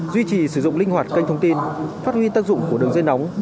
duy trì sử dụng linh hoạt kênh thông tin phát huy tác dụng của đường dây nóng